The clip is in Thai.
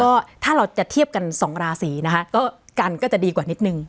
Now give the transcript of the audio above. ก็ถ้าเราจะเทียบกันสองราศีนะคะก็กันก็จะดีกว่านิดนึง